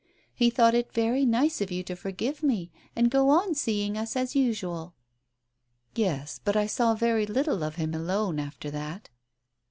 He thought it very nice of you to forgive me and go on seeing us as usual." "Yes, yes, but I saw very little of him alone after that."